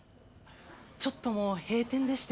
ちょっともう閉店でして。